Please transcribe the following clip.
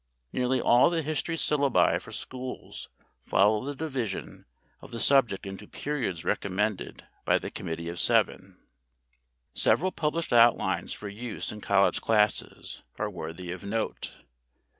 Nearly all the history syllabi for schools follow the division of the subject into periods recommended by the Committee of Seven. Several published outlines for use in college classes are worthy of note.